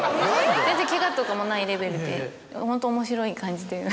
全然ケガとかもないレベルでホント面白い感じで。